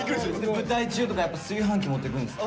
舞台中とか炊飯器持ってくるんすよ。